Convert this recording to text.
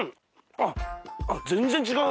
あっ全然違う。